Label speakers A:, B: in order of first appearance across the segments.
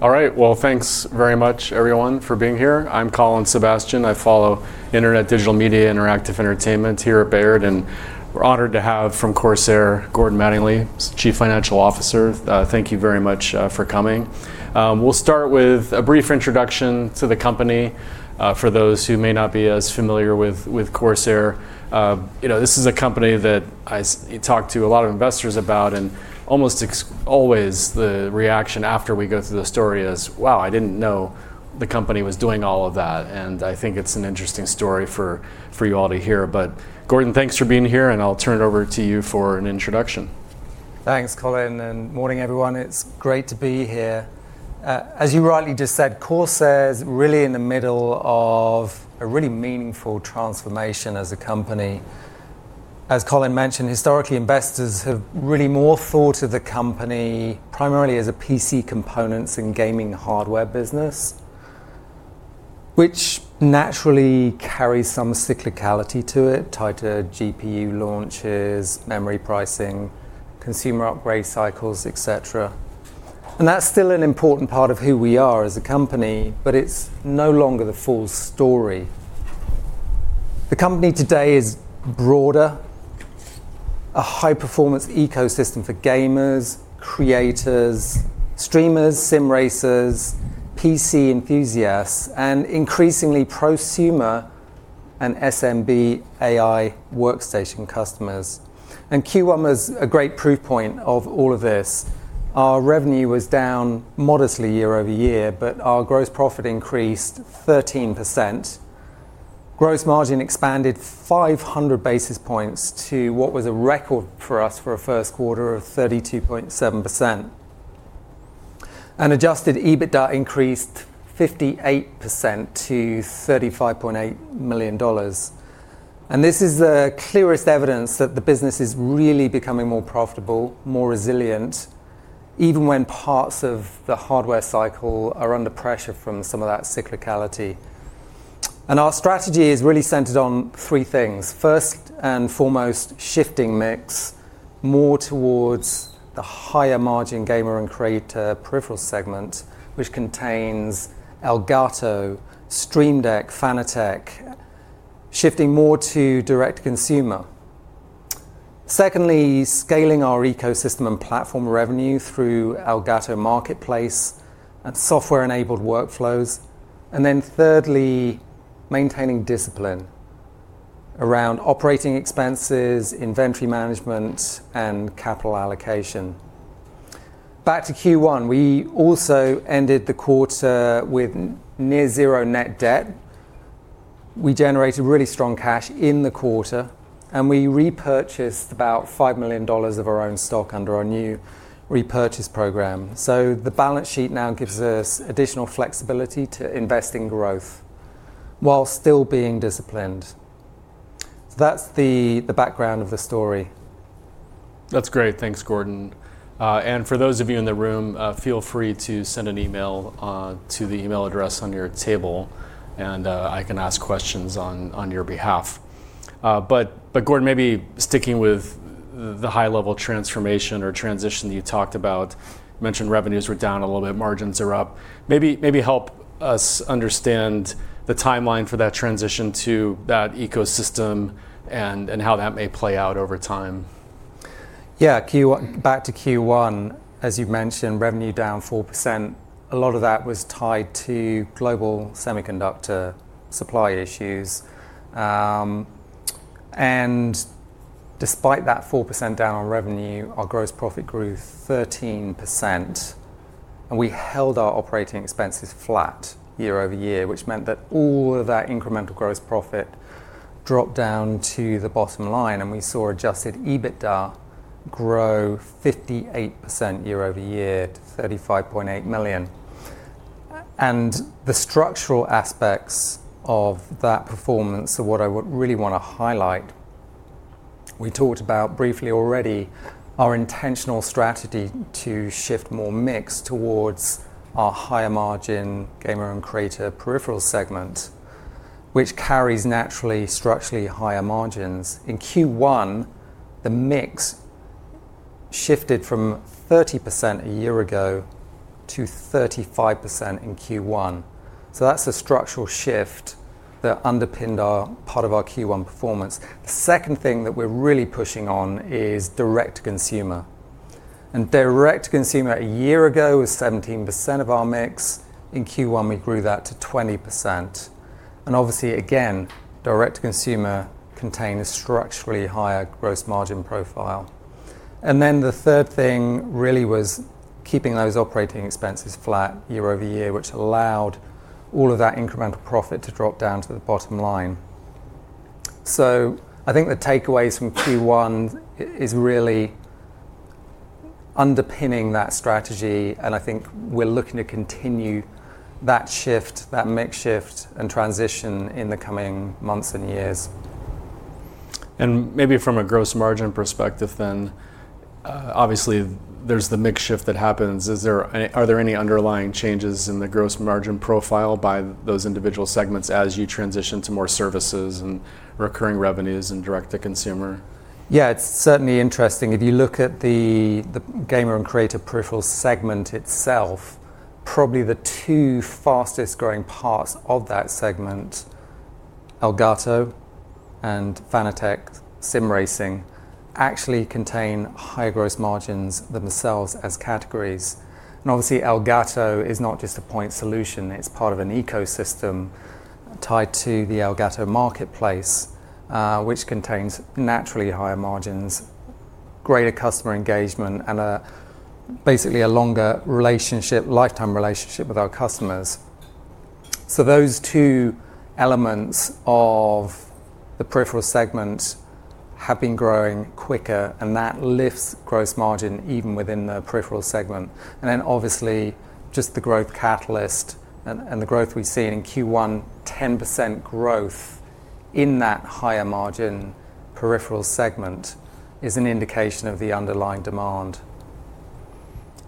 A: All right. Well, thanks very much everyone for being here. I'm Colin Sebastian. I follow internet digital media, interactive entertainment here at Baird. We're honored to have, from Corsair, Gordon Mattingly, Chief Financial Officer. Thank you very much for coming. We'll start with a brief introduction to the company for those who may not be as familiar with Corsair. This is a company that I talk to a lot of investors about. Almost always the reaction after we go through the story is, "Wow, I didn't know the company was doing all of that." I think it's an interesting story for you all to hear. Gordon, thanks for being here, I'll turn it over to you for an introduction.
B: Thanks, Colin. Morning everyone. It's great to be here. As you rightly just said, Corsair is really in the middle of a really meaningful transformation as a company. As Colin mentioned, historically, investors have really more thought of the company primarily as a PC components and gaming hardware business, which naturally carries some cyclicality to it, tied to GPU launches, memory pricing, consumer upgrade cycles, et cetera. That's still an important part of who we are as a company, but it's no longer the full story. The company today is broader, a high-performance ecosystem for gamers, creators, streamers, sim racers, PC enthusiasts, and increasingly prosumer and SMB AI workstation customers. Q1 was a great proof point of all of this. Our revenue was down modestly year-over-year, but our gross profit increased 13%. Gross margin expanded 500 basis points to what was a record for us for a first quarter of 32.7%. Adjusted EBITDA increased 58% to $35.8 million. This is the clearest evidence that the business is really becoming more profitable, more resilient, even when parts of the hardware cycle are under pressure from some of that cyclicality. Our strategy is really centered on three things. First and foremost, shifting mix more towards the higher margin gamer and creator peripheral segment, which contains Elgato, Stream Deck, Fanatec, shifting more to direct-to-consumer. Secondly, scaling our ecosystem and platform revenue through Elgato Marketplace and software-enabled workflows. Thirdly, maintaining discipline around operating expenses, inventory management, and capital allocation. Back to Q1, we also ended the quarter with near zero net debt. We generated really strong cash in the quarter, and we repurchased about $5 million of our own stock under our new repurchase program. The balance sheet now gives us additional flexibility to invest in growth while still being disciplined. That's the background of the story.
A: That's great. Thanks, Gordon. For those of you in the room, feel free to send an email to the email address on your table, and I can ask questions on your behalf. Gordon, maybe sticking with the high-level transformation or transition that you talked about, mentioned revenues were down a little bit, margins are up, maybe help us understand the timeline for that transition to that ecosystem and how that may play out over time.
B: Back to Q1, as you've mentioned, revenue down 4%. A lot of that was tied to global semiconductor supply issues. Despite that 4% down on revenue, our gross profit grew 13%, and we held our operating expenses flat year-over-year, which meant that all of that incremental gross profit dropped down to the bottom line, and we saw adjusted EBITDA grow 58% year-over-year to $35.8 million. The structural aspects of that performance are what I really want to highlight. We talked about briefly already our intentional strategy to shift more mix towards our higher margin gamer and creator peripheral segment, which carries naturally structurally higher margins. In Q1, the mix shifted from 30% a year ago to 35% in Q1. That's a structural shift that underpinned part of our Q1 performance. The second thing that we're really pushing on is direct to consumer. Direct to consumer a year ago was 17% of our mix. In Q1, we grew that to 20%. Obviously, again, direct to consumer contains structurally higher gross margin profile. The third thing really was keeping those operating expenses flat year-over-year, which allowed all of that incremental profit to drop down to the bottom line. I think the takeaways from Q1 is really underpinning that strategy, and I think we're looking to continue that shift, that mix shift, and transition in the coming months and years.
A: Maybe from a gross margin perspective then, obviously there is the mix shift that happens. Are there any underlying changes in the gross margin profile by those individual segments as you transition to more services and recurring revenues and direct-to-consumer?
B: Yeah. It's certainly interesting. If you look at the gamer and creator peripheral segment itself, probably the two fastest-growing parts of that segment, Elgato and Fanatec sim racing actually contain higher gross margins than themselves as categories. Obviously, Elgato is not just a point solution, it's part of an ecosystem tied to the Elgato Marketplace, which contains naturally higher margins, greater customer engagement, and basically a longer lifetime relationship with our customers. Those two elements of the peripheral segment have been growing quicker, and that lifts gross margin even within the peripheral segment. Then obviously, just the growth catalyst and the growth we've seen in Q1, 10% growth in that higher margin peripheral segment is an indication of the underlying demand.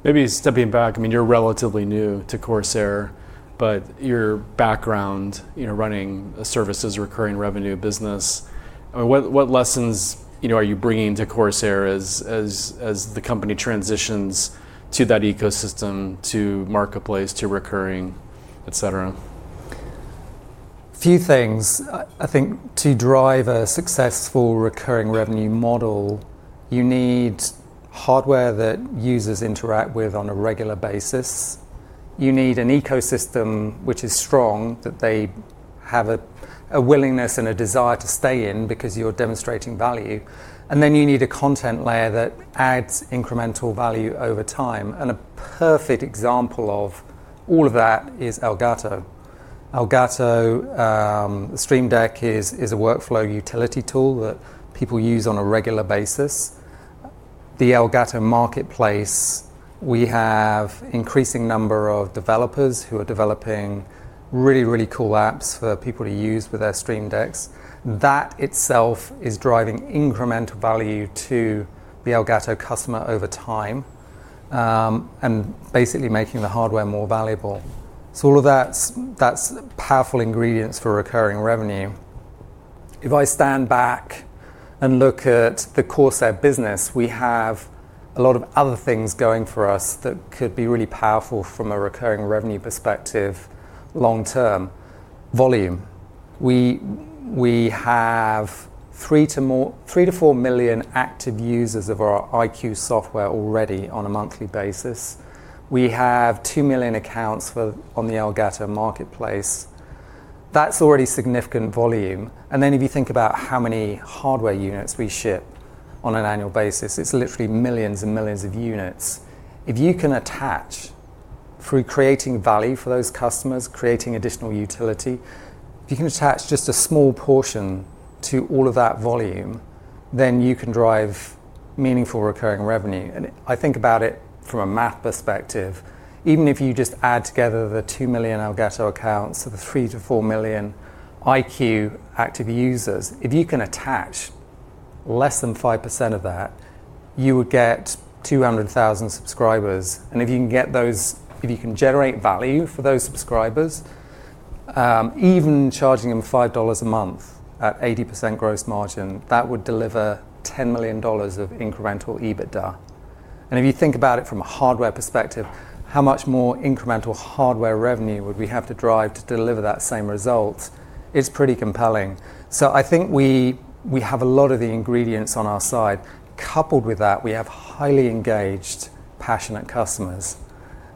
A: Maybe stepping back, you're relatively new to Corsair, but your background running a services recurring revenue business, what lessons are you bringing to Corsair as the company transitions to that ecosystem, to marketplace, to recurring, et cetera?
B: A few things. I think to drive a successful recurring revenue model, you need hardware that users interact with on a regular basis. You need an ecosystem which is strong, that they have a willingness and a desire to stay in because you're demonstrating value. You need a content layer that adds incremental value over time. A perfect example of all of that is Elgato. Elgato Stream Deck is a workflow utility tool that people use on a regular basis. The Elgato Marketplace, we have increasing number of developers who are developing really, really cool apps for people to use with their Stream Decks. That itself is driving incremental value to the Elgato customer over time, and basically making the hardware more valuable. All of that's powerful ingredients for recurring revenue. If I stand back and look at the Corsair business, we have a lot of other things going for us that could be really powerful from a recurring revenue perspective long term. Volume. We have three to four million active users of our iCUE software already on a monthly basis. We have two million accounts on the Elgato Marketplace. That's already significant volume. Then if you think about how many hardware units we ship on an annual basis, it's literally millions and millions of units. If you can attach, through creating value for those customers, creating additional utility, if you can attach just a small portion to all of that volume, then you can drive meaningful recurring revenue. I think about it from a math perspective. Even if you just add together the two million Elgato accounts or the three to four million iCUE active users, if you can attach less than 5% of that, you would get 200,000 subscribers. If you can generate value for those subscribers, even charging them $5 a month at 80% gross margin, that would deliver $10 million of incremental EBITDA. If you think about it from a hardware perspective, how much more incremental hardware revenue would we have to drive to deliver that same result is pretty compelling. I think we have a lot of the ingredients on our side. Coupled with that, we have highly engaged, passionate customers.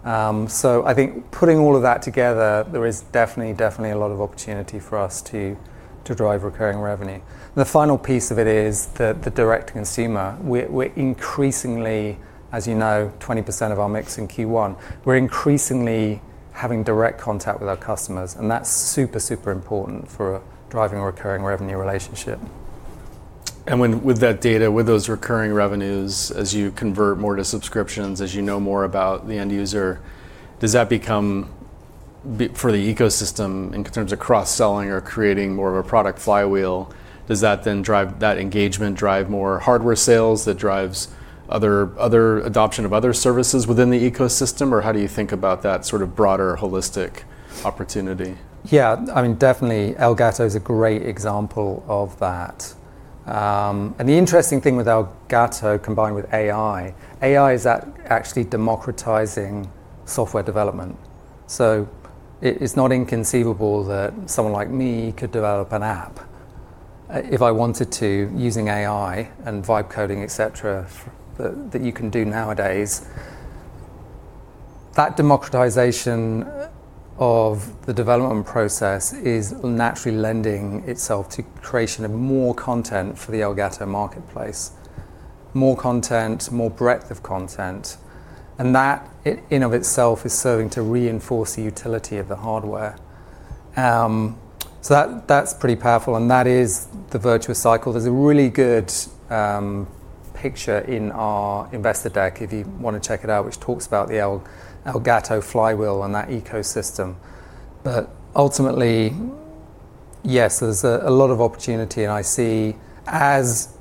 B: I think putting all of that together, there is definitely a lot of opportunity for us to drive recurring revenue. The final piece of it is the direct-to-consumer. We're increasingly, as you know, 20% of our mix in Q1. We're increasingly having direct contact with our customers, and that's super important for driving a recurring revenue relationship.
A: With that data, with those recurring revenues, as you convert more to subscriptions, as you know more about the end user, for the ecosystem, in terms of cross-selling or creating more of a product flywheel, does that engagement drive more hardware sales that drives other adoption of other services within the ecosystem? How do you think about that sort of broader holistic opportunity?
B: Yeah. Definitely Elgato is a great example of that. The interesting thing with Elgato combined with AI is actually democratizing software development. It's not inconceivable that someone like me could develop an app if I wanted to, using AI and vibe coding, et cetera, that you can do nowadays. That democratization of the development process is naturally lending itself to creation of more content for the Elgato Marketplace. More content, more breadth of content, and that in of itself is serving to reinforce the utility of the hardware. That's pretty powerful, and that is the virtuous cycle. There's a really good picture in our investor deck, if you want to check it out, which talks about the Elgato flywheel and that ecosystem. Ultimately, yes, there's a lot of opportunity, and I see as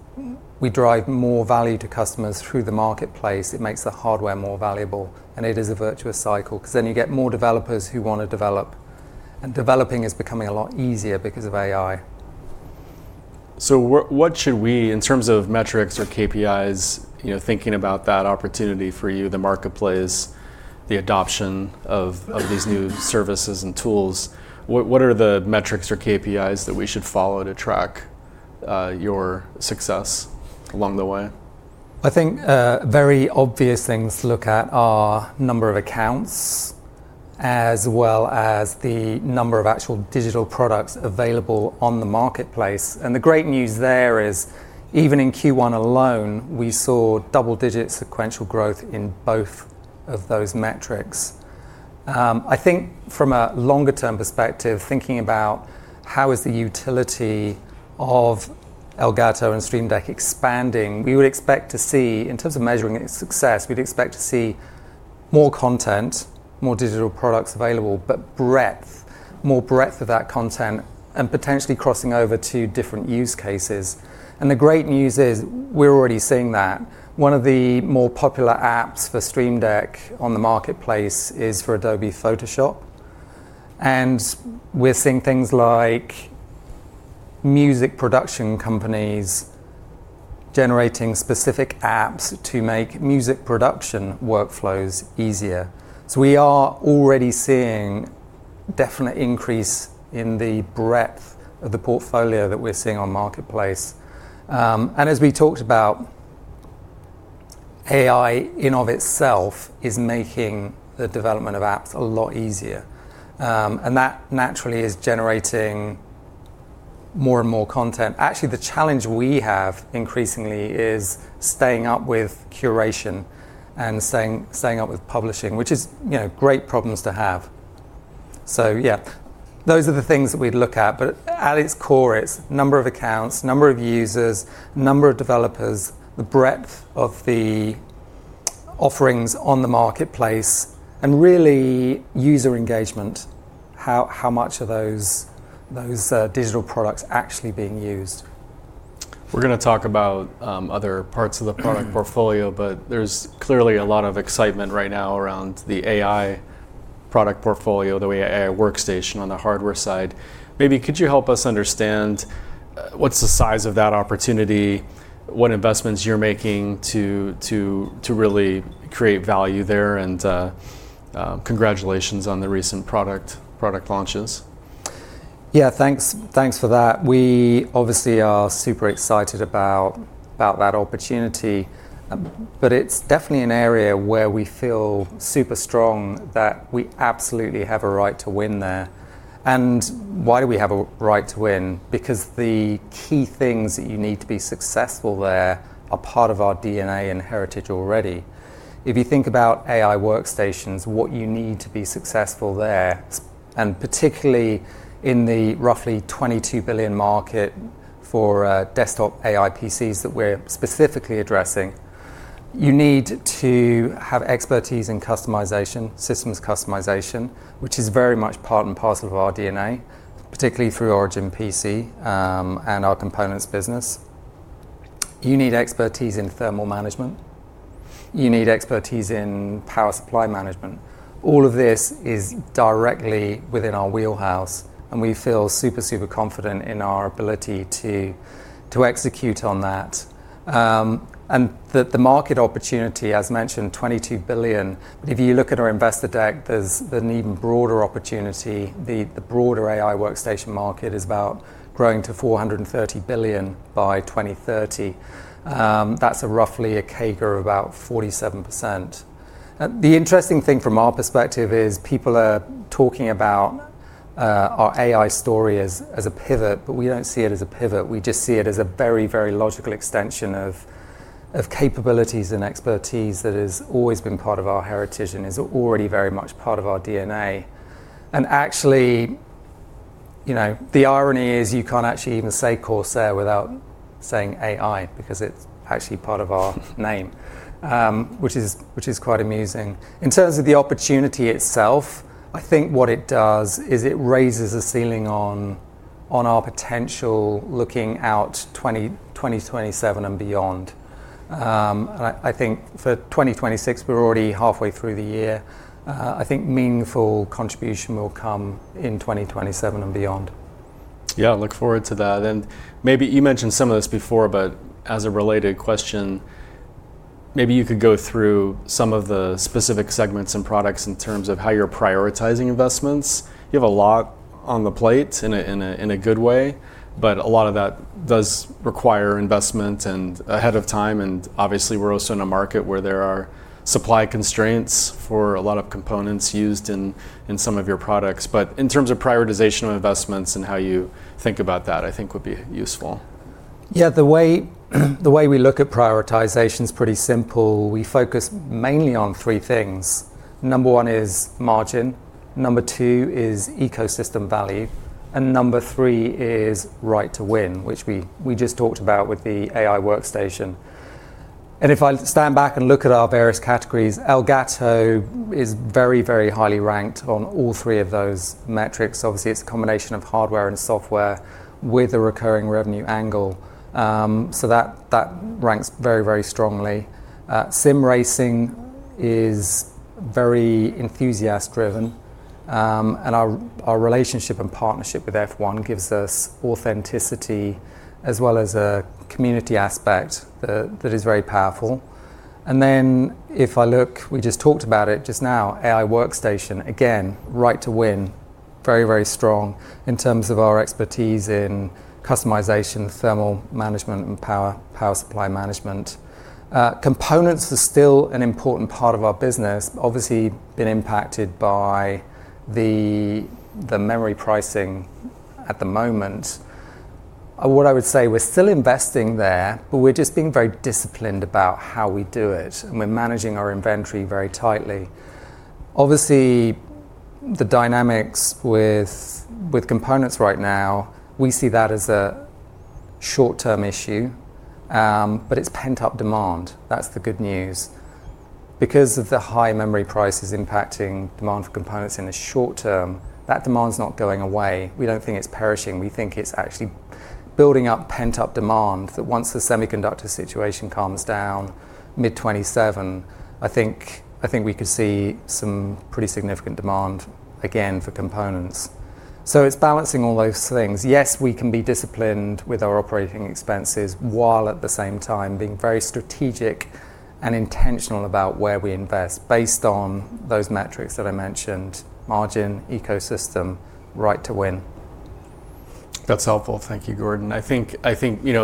B: we drive more value to customers through the marketplace, it makes the hardware more valuable, and it is a virtuous cycle because then you get more developers who want to develop, and developing is becoming a lot easier because of AI.
A: What should we, in terms of metrics or KPIs, thinking about that opportunity for you, the marketplace, the adoption of these new services and tools, what are the metrics or KPIs that we should follow to track your success along the way?
B: I think very obvious things to look at are number of accounts, as well as the number of actual digital products available on the marketplace. The great news there is, even in Q1 alone, we saw double-digit sequential growth in both of those metrics. I think from a longer-term perspective, thinking about how is the utility of Elgato and Stream Deck expanding, in terms of measuring its success, we'd expect to see more content, more digital products available, but breadth, more breadth of that content and potentially crossing over to different use cases. The great news is we're already seeing that. One of the more popular apps for Stream Deck on the marketplace is for Adobe Photoshop. We're seeing things like music production companies generating specific apps to make music production workflows easier. We are already seeing definite increase in the breadth of the portfolio that we're seeing on Marketplace. As we talked about, AI in of itself is making the development of apps a lot easier. That naturally is generating more and more content. Actually, the challenge we have increasingly is staying up with curation and staying up with publishing, which is great problems to have. Yeah, those are the things that we'd look at, but at its core, it's number of accounts, number of users, number of developers, the breadth of the offerings on the Marketplace, and really user engagement. How much are those digital products actually being used?
A: We're going to talk about other parts of the product portfolio, but there's clearly a lot of excitement right now around the AI product portfolio, the AI workstation on the hardware side. Maybe could you help us understand what's the size of that opportunity? What investments you're making to really create value there? Congratulations on the recent product launches.
B: Yeah, thanks for that. It's definitely an area where we feel super strong that we absolutely have a right to win there. Why do we have a right to win? Because the key things that you need to be successful there are part of our DNA and heritage already. If you think about AI workstations, what you need to be successful there, and particularly in the roughly $22 billion market for desktop AI PCs that we're specifically addressing, you need to have expertise in customization, systems customization, which is very much part and parcel of our DNA, particularly through ORIGIN PC, and our components business. You need expertise in thermal management. You need expertise in power supply management. All of this is directly within our wheelhouse, and we feel super confident in our ability to execute on that. The market opportunity, as mentioned, $22 billion. If you look at our investor deck, there's an even broader opportunity. The broader AI workstation market is about growing to $430 billion by 2030. That's roughly a CAGR of about 47%. The interesting thing from our perspective is people are talking about our AI story as a pivot, but we don't see it as a pivot. We just see it as a very, very logical extension of capabilities and expertise that has always been part of our heritage and is already very much part of our DNA. Actually, the irony is you can't actually even say Corsair without saying AI because it's actually part of our name, which is quite amusing. In terms of the opportunity itself, I think what it does is it raises the ceiling on our potential looking out 2027 and beyond. I think for 2026, we're already halfway through the year. I think meaningful contribution will come in 2027 and beyond.
A: Yeah, look forward to that. Maybe you mentioned some of this before, but as a related question, maybe you could go through some of the specific segments and products in terms of how you're prioritizing investments. You have a lot on the plate in a good way, but a lot of that does require investment and ahead of time, and obviously we're also in a market where there are supply constraints for a lot of components used in some of your products. In terms of prioritization of investments and how you think about that, I think would be useful.
B: Yeah, the way we look at prioritization's pretty simple. We focus mainly on three things. Number one is margin, number two is ecosystem value, and number three is right to win, which we just talked about with the AI workstation. If I stand back and look at our various categories, Elgato is very, very highly ranked on all three of those metrics. Obviously, it's a combination of hardware and software with a recurring revenue angle. That ranks very, very strongly. Sim racing is very enthusiast driven. Our relationship and partnership with F1 gives us authenticity as well as a community aspect that is very powerful. Then if I look, we just talked about it just now, AI workstation, again, right to win. Very strong in terms of our expertise in customization, thermal management, and power supply management. Components are still an important part of our business, obviously been impacted by the memory pricing at the moment. What I would say, we're still investing there, but we're just being very disciplined about how we do it, and we're managing our inventory very tightly. Obviously, the dynamics with components right now, we see that as a short-term issue, but it's pent-up demand. That's the good news. Because of the high memory prices impacting demand for components in the short term, that demand's not going away. We don't think it's perishing. We think it's actually building up pent-up demand, that once the semiconductor situation calms down mid 2027, I think we could see some pretty significant demand again for components. It's balancing all those things. Yes, we can be disciplined with our operating expenses, while at the same time being very strategic and intentional about where we invest based on those metrics that I mentioned, margin, ecosystem, right to win.
A: That's helpful. Thank you, Gordon. I think,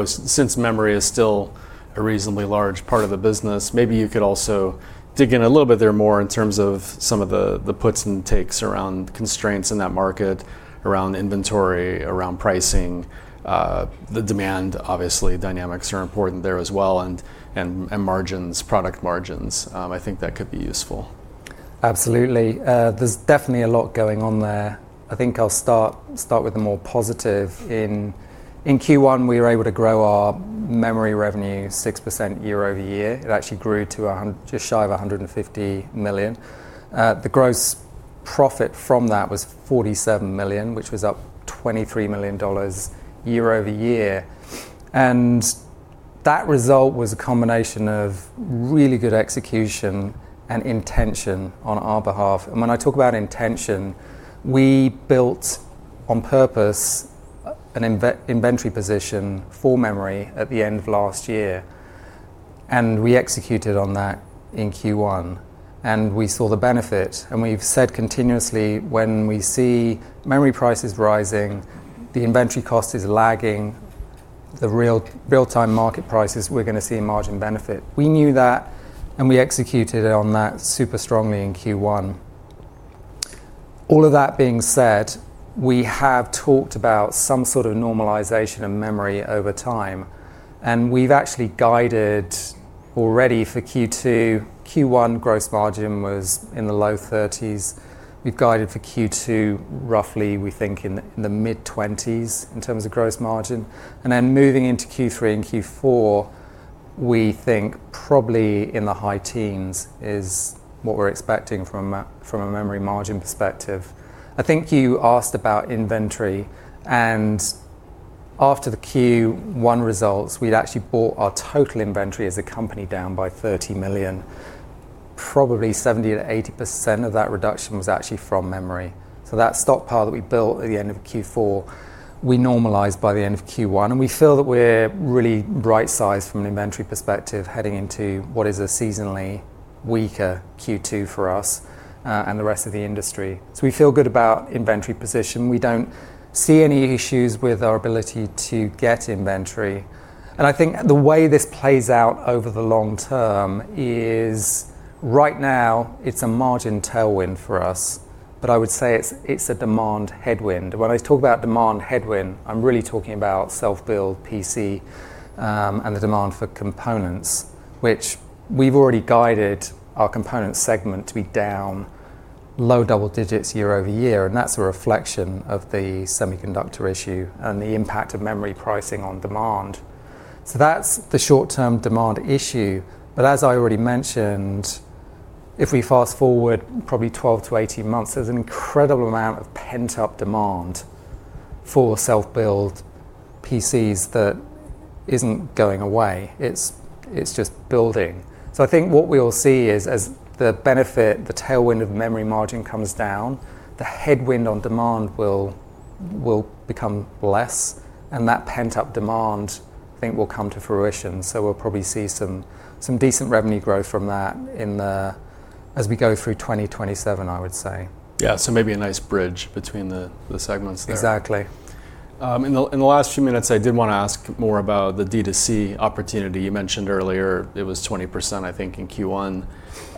A: since memory is still a reasonably large part of the business, maybe you could also dig in a little bit there more in terms of some of the puts and takes around constraints in that market, around inventory, around pricing. The demand, obviously, dynamics are important there as well, and margins, product margins. I think that could be useful.
B: Absolutely. There's definitely a lot going on there. I think I'll start with the more positive. In Q1, we were able to grow our memory revenue 6% year-over-year. It actually grew to just shy of $150 million. The gross profit from that was $47 million, which was up $23 million year-over-year. That result was a combination of really good execution and intention on our behalf. When I talk about intention, we built on purpose an inventory position for memory at the end of last year, and we executed on that in Q1, and we saw the benefit. We've said continuously, when we see memory prices rising, the inventory cost is lagging, the real-time market prices, we're going to see a margin benefit. We knew that, we executed on that super strongly in Q1. All of that being said, we have talked about some sort of normalization of memory over time, and we've actually guided already for Q2. Q1 gross margin was in the low 30s. We've guided for Q2, roughly we think in the mid-20s in terms of gross margin. Then moving into Q3 and Q4, we think probably in the high teens is what we're expecting from a memory margin perspective. I think you asked about inventory, and after the Q1 results, we'd actually brought our total inventory as a company down by $30 million. Probably 70%-80% of that reduction was actually from memory. That stockpile that we built at the end of Q4, we normalized by the end of Q1, and we feel that we're really right sized from an inventory perspective heading into what is a seasonally weaker Q2 for us, and the rest of the industry. We feel good about inventory position. We don't see any issues with our ability to get inventory. I think the way this plays out over the long term is right now, it's a margin tailwind for us. I would say it's a demand headwind. When I talk about demand headwind, I'm really talking about self-build PC, and the demand for components, which we've already guided our components segment to be down low double digits year-over-year, and that's a reflection of the semiconductor issue and the impact of memory pricing on demand. That's the short-term demand issue. As I already mentioned, if we fast-forward probably 12-18 months, there's an incredible amount of pent-up demand for self-build PCs that isn't going away. It's just building. I think what we'll see is as the benefit, the tailwind of memory margin comes down, the headwind on demand will become less, and that pent-up demand, I think, will come to fruition. We'll probably see some decent revenue growth from that as we go through 2027, I would say.
A: Yeah. Maybe a nice bridge between the segments there.
B: Exactly.
A: In the last few minutes, I did want to ask more about the D2C opportunity. You mentioned earlier it was 20%, I think, in Q1.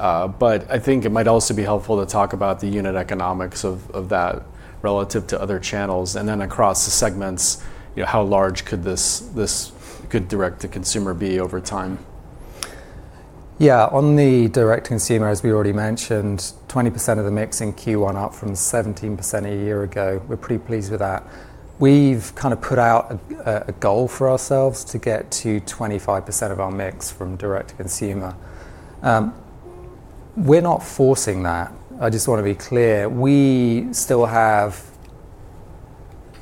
A: I think it might also be helpful to talk about the unit economics of that relative to other channels. Across the segments, how large could direct-to-consumer be over time?
B: Yeah. On the direct-to-consumer, as we already mentioned, 20% of the mix in Q1, up from 17% a year ago. We're pretty pleased with that. We've put out a goal for ourselves to get to 25% of our mix from direct-to-consumer. We're not forcing that. I just want to be clear. We still have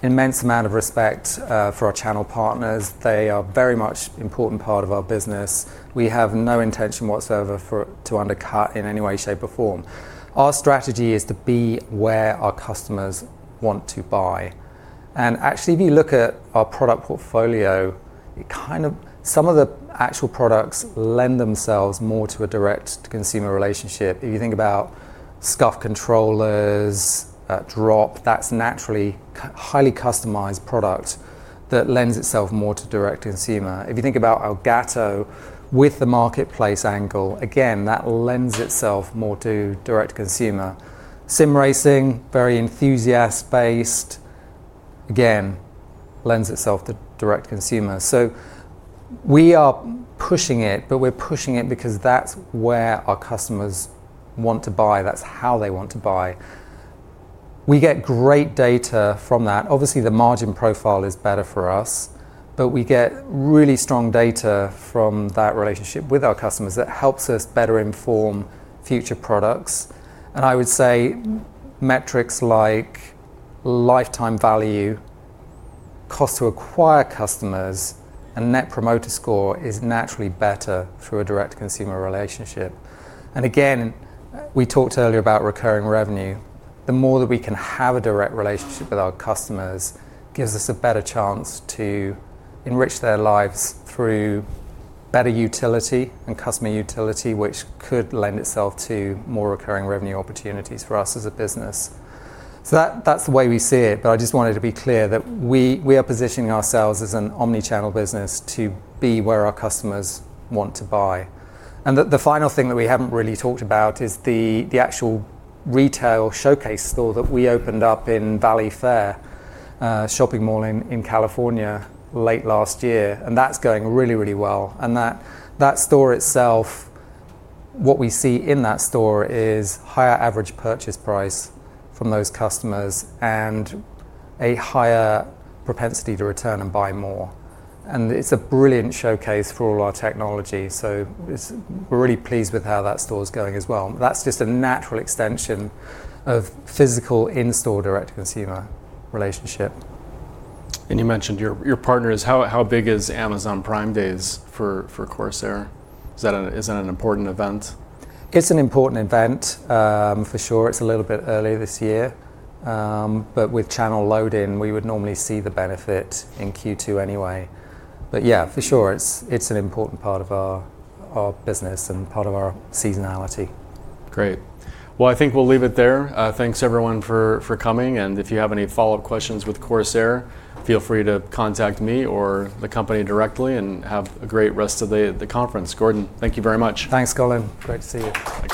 B: immense amount of respect for our channel partners. They are very much important part of our business. We have no intention whatsoever to undercut in any way, shape, or form. Our strategy is to be where our customers want to buy. Actually, if you look at our product portfolio, some of the actual products lend themselves more to a direct-to-consumer relationship. If you think about SCUF Controllers, Drop, that's naturally highly customized product that lends itself more to direct-to-consumer. If you think about Elgato with the marketplace angle, again, that lends itself more to direct-to-consumer. Sim racing, very enthusiast based, again, lends itself to direct-to-consumer. We are pushing it, but we're pushing it because that's where our customers want to buy. That's how they want to buy. We get great data from that. Obviously, the margin profile is better for us, but we get really strong data from that relationship with our customers that helps us better inform future products. I would say metrics like lifetime value, cost to acquire customers, and net promoter score is naturally better through a direct-to-consumer relationship. Again, we talked earlier about recurring revenue. The more that we can have a direct relationship with our customers gives us a better chance to enrich their lives through better utility and customer utility, which could lend itself to more recurring revenue opportunities for us as a business. That's the way we see it. I just wanted to be clear that we are positioning ourselves as an omni-channel business to be where our customers want to buy. The final thing that we haven't really talked about is the actual retail showcase store that we opened up in Valley Fair shopping mall in California late last year. That's going really, really well. That store itself, what we see in that store is higher average purchase price from those customers and a higher propensity to return and buy more. It's a brilliant showcase for all our technology. We're really pleased with how that store's going as well. That's just a natural extension of physical in-store direct-to-consumer relationship.
A: You mentioned your partners. How big is Amazon Prime Day for Corsair? Is that an important event?
B: It's an important event, for sure. It's a little bit early this year. With channel load-in, we would normally see the benefit in Q2 anyway. Yeah, for sure, it's an important part of our business and part of our seasonality.
A: Great. Well, I think we'll leave it there. Thanks everyone for coming, and if you have any follow-up questions with Corsair, feel free to contact me or the company directly, and have a great rest of the day at the conference. Gordon, thank you very much.
B: Thanks, Colin. Great to see you.
A: Likewise